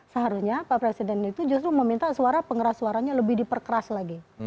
seharusnya pak presiden itu justru meminta suara pengeras suaranya lebih diperkeras lagi